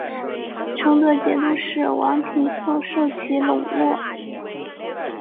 成德节度使王廷凑受其笼络。